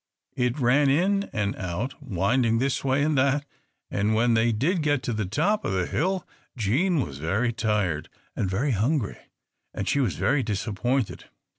It ran in and out, winding this way and that, and when they did get to the top of the hill, Jean was very tired and very hungry. And she was very disappointed.